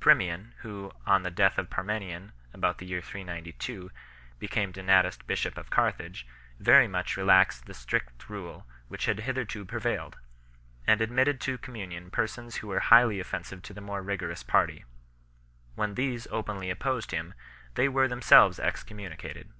Primian, who, on the death of Parmenian, about the year 392, became Donatist bishop of Carthage, very much relaxed the strict rule which had hitherto prevailed, and admitted to communion persons who were highly offensive to the more rigorous party 1 . When these openly opposed him, they were themselves excommunicated.